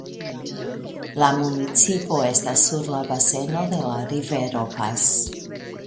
La municipo estas sur la baseno de la rivero Pas.